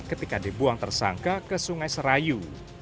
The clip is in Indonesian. ketika dibuang tersangka ke sungai serayu